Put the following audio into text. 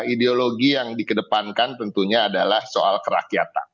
ideologi yang dikedepankan tentunya adalah soal kerakyatan